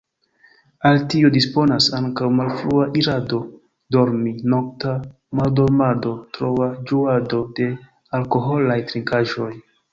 Al tio disponas ankaŭ malfrua irado dormi, nokta maldormado, troa ĝuado de alkoholaj trinkaĵoj.